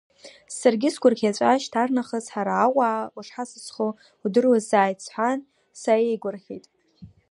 Саргьы сгәырӷьаҵәа шьҭарнахыс ҳара аҟәаа ушҳасасхо удыруазааит, сҳәан сааеигәырӷьеит.